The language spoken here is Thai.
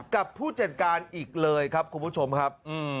กับผู้จัดการอีกเลยครับคุณผู้ชมครับ